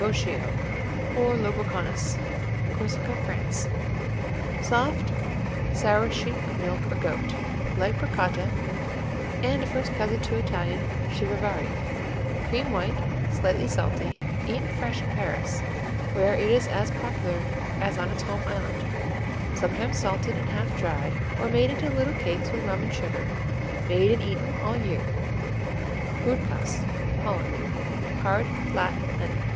Broccio, or le Brocconis Corsica, France Soft, sour sheep milk or goat, like Bricotta and a first cousin to Italian Chiavari. Cream white, slightly salty; eaten fresh in Paris, where it is as popular as on its home island. Sometimes salted and half dried, or made into little cakes with rum and sugar. Made and eaten all year. Broodkaas Holland Hard, flat, nutty.